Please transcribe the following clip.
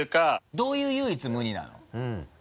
どういう唯一無二なの？